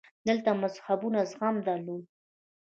دلته مذهبونو زغم درلود